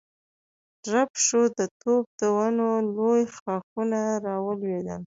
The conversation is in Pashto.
درب شو، د توت د ونو لوی ښاخونه را ولوېدل.